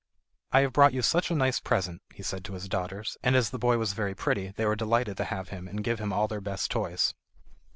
"I have brought you such a nice present," he said to his daughters, and as the boy was very pretty they were delighted to have him and gave him all their best toys.